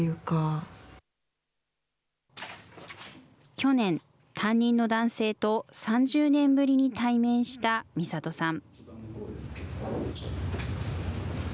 去年、担任の男性と３０年ぶりに対面したみさとさん。